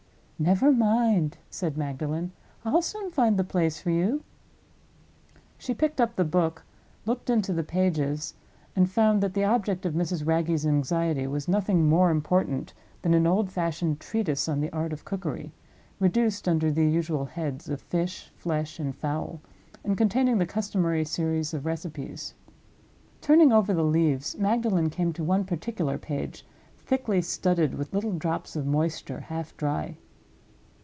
"Never mind," said Magdalen; "I'll soon find the place for you again." She picked up the book, looked into the pages, and found that the object of Mrs. Wragge's anxiety was nothing more important than an old fashioned Treatise on the Art of Cookery, reduced under the usual heads of Fish, Flesh, and Fowl, and containing the customary series of recipes. Turning over the leaves, Magdalen came to one particular page, thickly studded with little drops of moisture half dry.